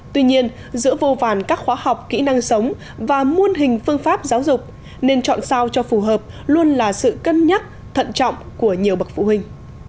tuy nhiên giữa vô vàn các khóa học kỹ năng sống và muôn hình phương pháp giáo dục nên chọn sao cho phù hợp luôn là sự cân nhắc thận trọng của nhiều bậc phụ huynh